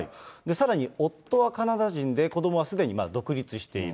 さらに夫はカナダ人で子どもはすでに独立している。